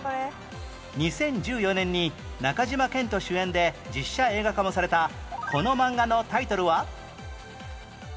２０１４年に中島健人主演で実写映画化もされたこのマンガのタイトルは？